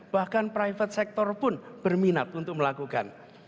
bahkan private sector pun berminat untuk melakukan